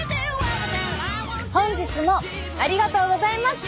本日もありがとうございました。